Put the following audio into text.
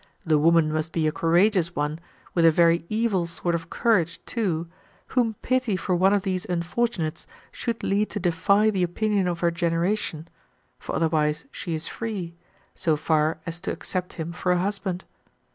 The woman must be a courageous one, with a very evil sort of courage, too, whom pity for one of these unfortunates should lead to defy the opinion of her generation for otherwise she is free so far as to accept him for a husband.